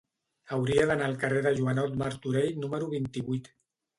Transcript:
Hauria d'anar al carrer de Joanot Martorell número vint-i-vuit.